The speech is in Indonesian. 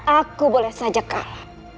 aku boleh saja kalah